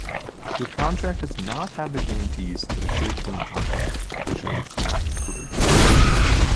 Your contract does not have the guarantees that a short-term contract should currently include.